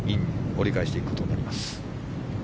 折り返していくことになります。